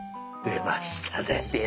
出ました。